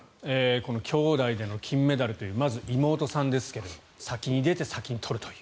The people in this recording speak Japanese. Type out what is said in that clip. この兄妹での金メダルというまず妹さんですけど先に出て先に取るという。